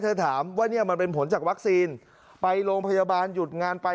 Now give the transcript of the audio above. ถามว่าเนี่ยมันเป็นผลจากวัคซีนไปโรงพยาบาลหยุดงานไป